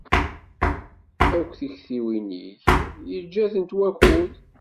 Akk tiktiwin-ik yeǧǧa-tent wakud.